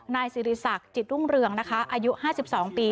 นายศรีศักดิ์จิตรุ่งเรืองอายุ๕๒ปี